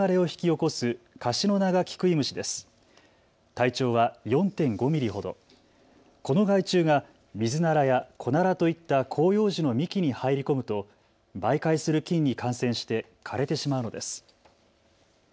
この害虫がミズナラやコナラといった広葉樹の幹に入り込むと媒介する菌に感染して枯れてしまうのです。